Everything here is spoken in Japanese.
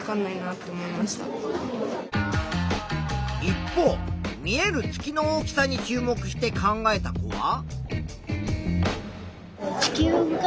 一方見える月の大きさに注目して考えた子は。